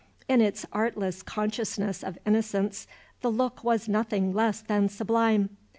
In its artless consciousness of innocence the look was nothing less than sublime.